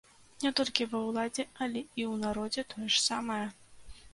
Не толькі ва ўладзе, але і ў народзе тое ж самае.